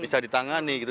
bisa ditangani gitu